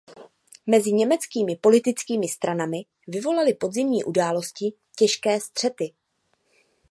Mezi německými politickými stranami vyvolaly podzimní události těžké střety.